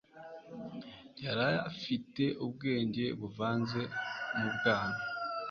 yari afite ubwenge buvanze mu bwana